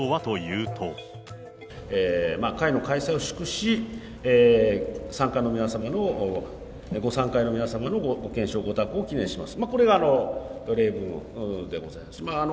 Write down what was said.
会の開催を祝し、参加の皆様の、ご参加の皆さんのご健勝、ご多幸を祈念します、これが例文でございます。